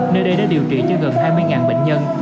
nơi đây đã điều trị cho gần hai mươi bệnh nhân